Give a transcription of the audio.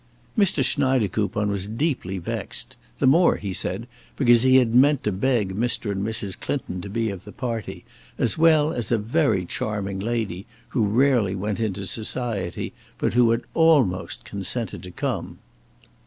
Mr. Schneidekoupon was deeply vexed the more, he said, because he had meant to beg Mr. and Mrs. Clinton to be of the party, as well as a very charming lady who rarely went into society, but who had almost consented to come.